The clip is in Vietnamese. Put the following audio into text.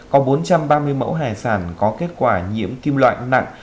có bốn trăm ba mươi mẫu hải sản có kết quả nhiễm kim loại nặng